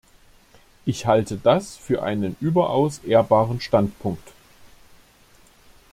Ich halte das für einen überaus ehrbaren Standpunkt.